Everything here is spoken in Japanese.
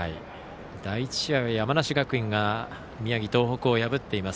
第１試合は山梨学院が宮城の東北を破っています。